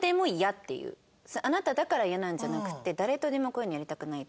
あなただから嫌なんじゃなくて誰とでもこういうのやりたくないって。